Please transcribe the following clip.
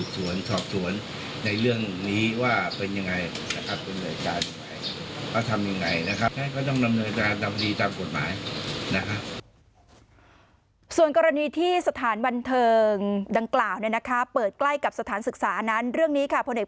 ส่วนกรณีที่สถานบันเทิงดังกล่าวเปิดใกล้กับสถานศึกษานั้นเรื่องนี้ค่ะพลเอก